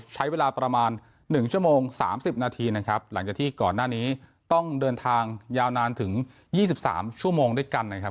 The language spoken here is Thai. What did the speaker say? ใช้เวลาประมาณ๑ชั่วโมง๓๐นาทีนะครับหลังจากที่ก่อนหน้านี้ต้องเดินทางยาวนานถึง๒๓ชั่วโมงด้วยกันนะครับ